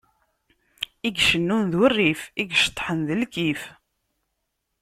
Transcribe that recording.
I icennun d urrif, i iceṭṭḥen d lkif.